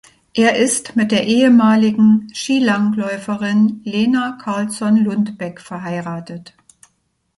Er ist mit der ehemaligen Skilangläuferin Lena Carlzon-Lundbäck verheiratet.